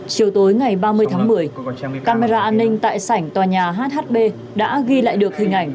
chiều tối ngày ba mươi tháng một mươi camera an ninh tại sảnh tòa nhà hhb đã ghi lại được hình ảnh